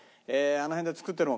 あの辺で作ってるもの。